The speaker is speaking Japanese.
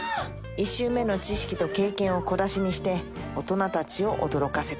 １周目の知識と経験を小出しにして大人たちを驚かせた。